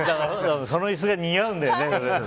その椅子が似合うんだよね。